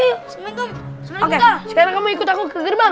sebentar sekarang kamu ikut aku ke gerbang